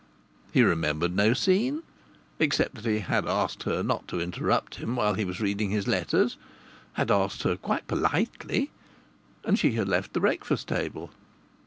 He remembered no scene, except that he had asked her not to interrupt him while he was reading his letters, had asked her quite politely, and she had left the breakfast table.